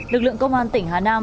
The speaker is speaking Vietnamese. lực lượng công an tỉnh hà nam